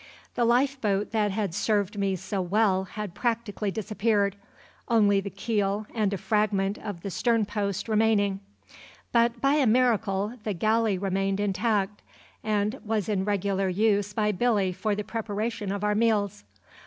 The life boat that had served me so well had practically disappeared, only the keel and a fragment of the sternpost remaining; but, by a miracle, the galley remained intact, and was in regular use by Billy for the preparation of our meals.